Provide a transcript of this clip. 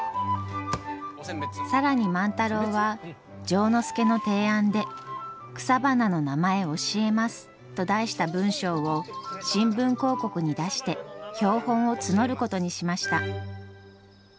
更に万太郎は丈之助の提案で「草花の名前教えます」と題した文章を新聞広告に出して標本を募ることにしました。